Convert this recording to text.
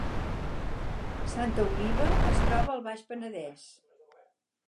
Santa Oliva es troba al Baix Penedès